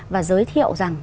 và giới thiệu rằng